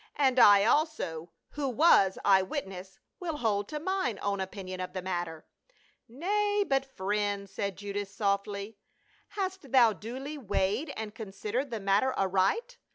"And I also, who was eye witness, will hold to mine own opinion of the matter." " Nay, but — friend," said Judas softly, " hast thou IN THE HOUSE OF JUDAS. 25 duly weighed and considered the matter aright